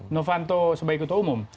novanto sebagai ketua umum